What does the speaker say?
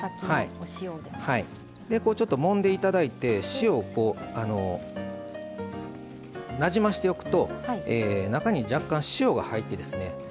ちょっともんで頂いて塩をなじませておくと中に若干塩が入ってですね